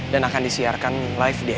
dan akan disiarkan live di rcti